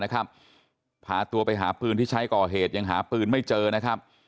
พาตัวไปหาปืนที่ใช้ก่อเหตุยังหาปืนไม่เจอนะครับ